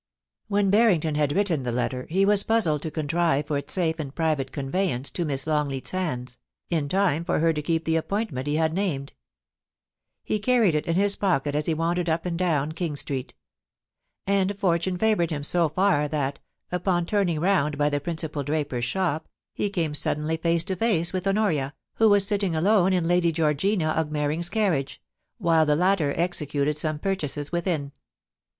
* When Barrington had written the letter, he was puzzled to contrive for its safe and private conveyance to Miss Long leat's hands, in time for her to keep the appointment he had named He carried it in his pocket as he wandered up and down King Street : and fortune favoured him so far that, upon turning round by the principal draper's shop, he came suddenly face to face with Honoria, who was sitting alone in Lady Georgina Augmering's carriage, while the latter executed some purchases within.